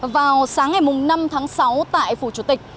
vào sáng ngày năm tháng sáu tại phủ chủ tịch